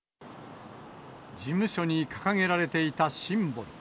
事務所に掲げられていたシンボル。